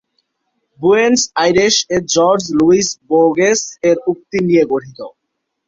Buenos আইরেস-এ George Luis বোর্গেস-এর উক্তি নিয়ে গঠিত।